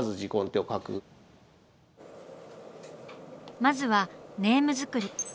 まずはネーム作り。